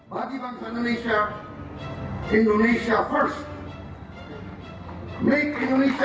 bagi bangsa indonesia indonesia first